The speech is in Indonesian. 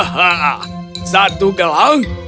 hahaha satu gelang